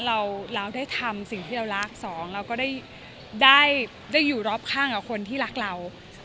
เราได้ทำสิ่งที่เรารักสองเราก็ได้อยู่รอบข้างกับคนที่รักเรา